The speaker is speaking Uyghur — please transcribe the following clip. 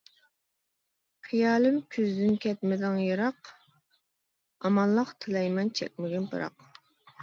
خىيالىم كۈزىدىن كەتمىدىڭ يىراق، ئامانلىق تىلەيمەن چەكمىگىن پىراق.